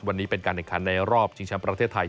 วันนี้เป็นการแข่งขันในรอบชิงแชมป์ประเทศไทย